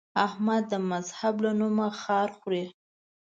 احمد د مذهب له نومه خار خوري.